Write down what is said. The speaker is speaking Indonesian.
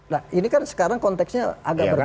nah ini kan sekarang konteksnya agak berbeda